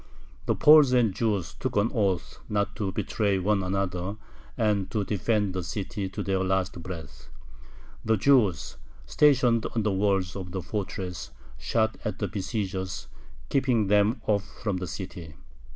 The Poles and Jews took an oath not to betray one another and to defend the city to their last breath. The Jews, stationed on the walls of the fortress, shot at the besiegers, keeping them off from the city.